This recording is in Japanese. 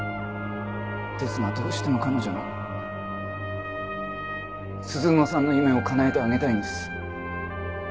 ですがどうしても彼女の鈴乃さんの夢をかなえてあげたいんです。